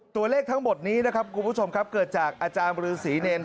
ตัวเลขทั้งหมดนี้นะครับคุณผู้ชมครับเกิดจากอาจารย์บริษีเนร